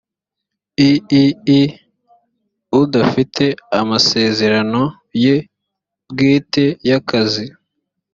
iii udafite amasezerano ye bwite y akazi